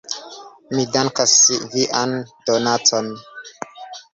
Mi dankas vian donacon.